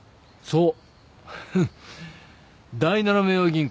そう。